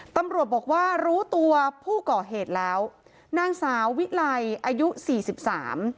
ตำรวจบอกว่ารู้ตัวผู้ก่อเหตุแล้วนางสาววิไลอายุสี่สิบสาม